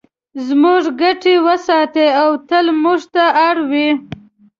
زموږ ګټې وساتي او تل موږ ته اړ وي.